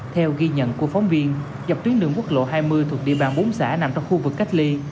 theo ghi nhận của phóng viên dọc tuyến đường quốc lộ hai mươi thuộc địa bàn bốn xã nằm trong khu vực cách ly